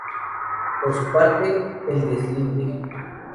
Por su parte, "El deslinde.